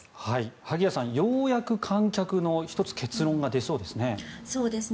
萩谷さん、ようやく観客の１つ結論が出そうですね。